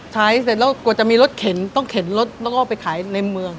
เสร็จแล้วกว่าจะมีรถเข็นต้องเข็นรถแล้วก็ไปขายในเมือง